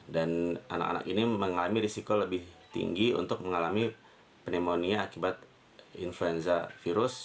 anak anak ini mengalami risiko lebih tinggi untuk mengalami pneumonia akibat influenza virus